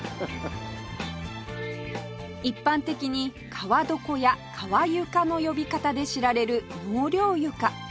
一般的に「かわどこ」や「かわゆか」の呼び方で知られる納涼床